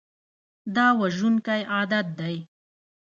دا وژونکی عادت دی.